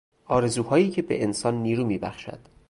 آرزوهایی که به انسان نیرو میبخشد